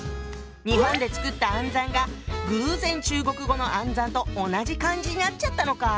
日本でつくった「暗算」が偶然中国語の「暗算」と同じ漢字になっちゃったのか。